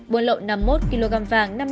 buôn lộ năm mươi một kg vàng năm hai nghìn hai mươi